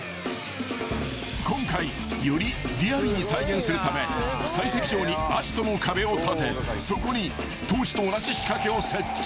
［今回よりリアルに再現するため採石場にアジトの壁を建てそこに当時と同じ仕掛けを設置］